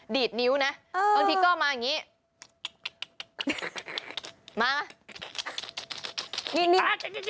ดีดนิ้วนะบางทีก็มาแบบนี้